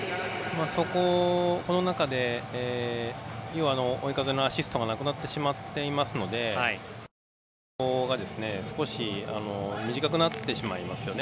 その中で追い風のアシストがなくなっているので助走が少し短くなってしまいますよね。